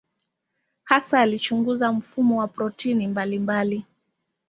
Hasa alichunguza mfumo wa protini mbalimbali.